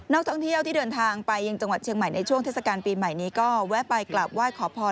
ท่องเที่ยวที่เดินทางไปยังจังหวัดเชียงใหม่ในช่วงเทศกาลปีใหม่นี้ก็แวะไปกลับไหว้ขอพร